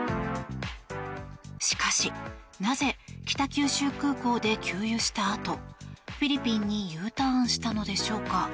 しかし、なぜ北九州空港で給油したあとフィリピンにＵターンしたのでしょうか。